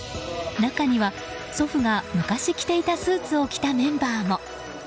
中には、祖父が昔着ていたスーツを着たメンバーも。